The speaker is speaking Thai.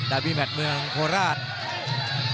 ได้มีแบตเมืองโคราช